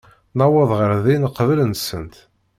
Newweḍ ɣer din qbel-nsent.